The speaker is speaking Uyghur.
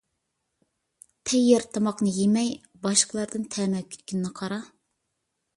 تەييار تاماقنى يېمەي، باشقىلاردىن تەمە كۈتكىنىنى قارا!